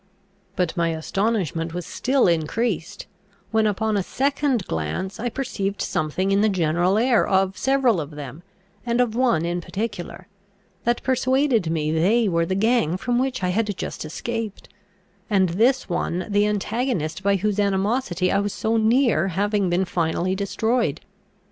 But my astonishment was still increased, when upon a second glance I perceived something in the general air of several of them, and of one in particular, that persuaded me they were the gang from which I had just escaped, and this one the antagonist by whose animosity I was so near having been finally destroyed.